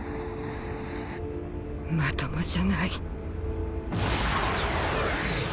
まともじゃない。